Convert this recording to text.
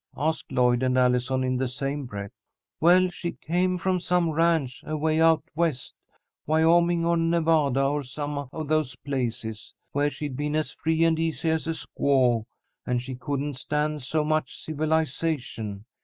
asked Lloyd and Allison, in the same breath. "Well, she came from some ranch away out West, Wyoming or Nevada or some of those places, where she'd been as free and easy as a squaw, and she couldn't stand so much civilization.